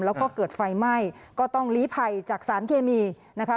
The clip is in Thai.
แล้วก็เกิดไฟไหม้ก็ต้องลีภัยจากสารเคมีนะคะ